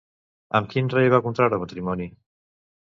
Amb quin rei va contreure matrimoni?